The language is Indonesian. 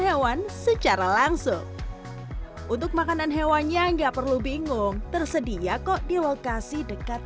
hewan secara langsung untuk makanan hewannya enggak perlu bingung tersedia kok di lokasi dekat